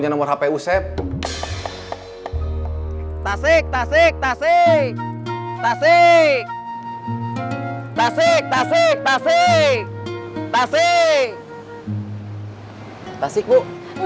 gak ada yang kabur